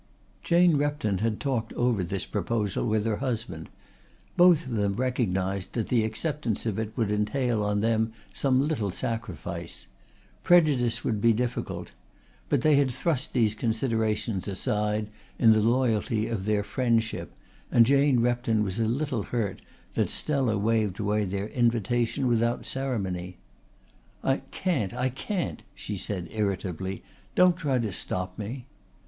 Jane Repton had talked over this proposal with her husband. Both of them recognised that the acceptance of it would entail on them some little sacrifice. Prejudice would be difficult. But they had thrust these considerations aside in the loyalty of their friendship and Jane Repton was a little hurt that Stella waved away their invitation without ceremony. "I can't. I can't," she said irritably. "Don't try to stop me."